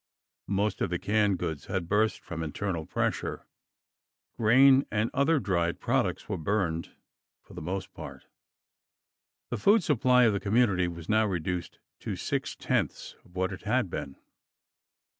Most of the canned goods had burst from internal pressure. Grain and other dried products were burned, for the most part. The food supply of the community was now reduced to six tenths of what it had been.